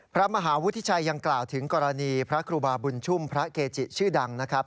พระมหาวุฒิชัยยังกล่าวถึงกรณีพระครูบาบุญชุ่มพระเกจิชื่อดังนะครับ